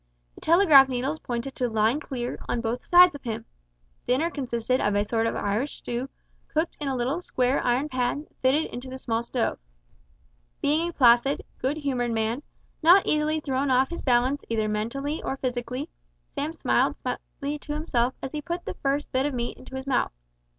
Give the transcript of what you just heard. The telegraph needles pointed to "Line clear" on both sides of him. Dinner consisted of a sort of Irish stew cooked in a little square iron pan that fitted into the small stove. Being a placid, good humoured man, not easily thrown off his balance either mentally or physically, Sam smiled slightly to himself as he put the first bit of meat into his mouth.